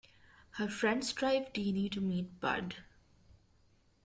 Her friends drive Deanie to meet Bud.